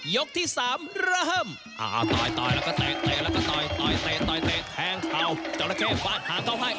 ยกที่สามต่อยต่อยแล้วก็ตกต่อยต่อยตกตกแทงเขาจราเคฟ้าห่างก้อภ่าย